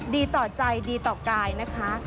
ดีต่อใจดีต่อกายนะคะ